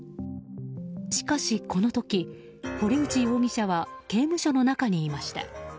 しかしこの時、堀内容疑者は刑務所の中にいました。